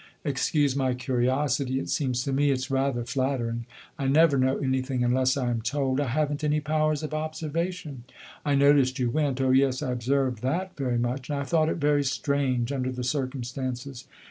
Excuse my curiosity it seems to me it 's rather flattering. I never know anything unless I am told. I have n't any powers of observation. I noticed you went oh, yes, I observed that very much; and I thought it very strange, under the circumstances.